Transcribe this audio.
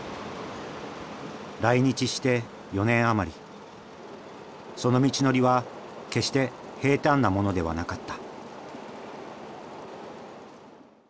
来日して４年余りその道のりは決して平坦なものではなかった。